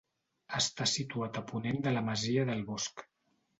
Està situat a ponent de la masia del Bosc.